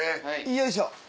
よいしょ！